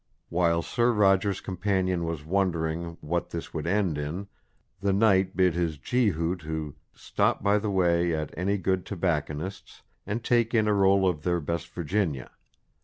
While Sir Roger's companion was wondering "what this would end in," the knight bid his Jehu to "stop by the way at any good Tobacconist's, and take in a Roll of their best Virginia."